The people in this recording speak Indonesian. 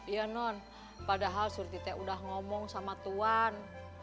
iya non padahal surti teh udah ngomong sama tuhan